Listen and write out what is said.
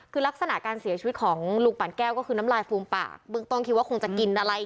คือลักษณะการเสียชีวิตของลุงปั่นแก้วก็คือน้ำลายฟูมปากเบื้องต้นคิดว่าคงจะกินอะไร